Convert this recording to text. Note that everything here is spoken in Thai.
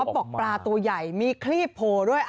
บอกปลาตัวใหญ่มีคลีบโผล่ด้วย